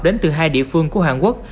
đến từ hai địa phương của trung quốc